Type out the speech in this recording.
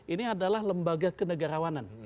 ini adalah lembaga kenegarawanan